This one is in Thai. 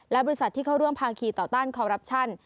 และบริษัทที่เข้าร่วมภาคีต่อต้านคอรัปชั่น